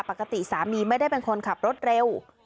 ปกติสามีไม่ได้เป็นคนขับรถเร็ว